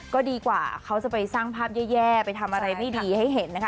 ก็ดีกว่าเขาจะไปสร้างภาพแย่ไปทำอะไรไม่ดีให้เห็นนะคะ